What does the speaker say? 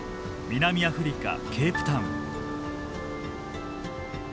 南アフリカ・ケープタウン。